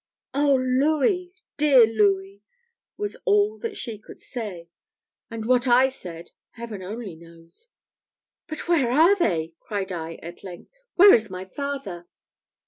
"Oh, Louis, dear Louis!" was all that she could say; and what I said, Heaven only knows. "But where are they?" cried I, at length. "Where is my father?"